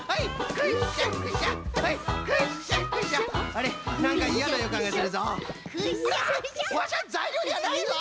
あワシはざいりょうじゃないぞ！